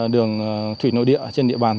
đường thủy nội địa trên địa bàn